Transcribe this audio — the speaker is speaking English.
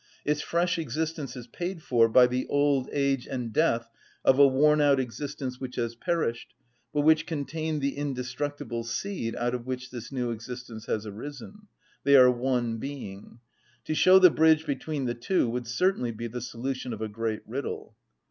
Its fresh existence is paid for by the old age and death of a worn‐out existence which has perished, but which contained the indestructible seed out of which this new existence has arisen: they are one being. To show the bridge between the two would certainly be the solution of a great riddle.